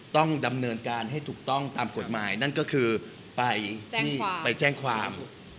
ต้องดำเนินการให้ถูกต้องตามกฎหมายนั่นก็คือไปที่ไปแจ้งความ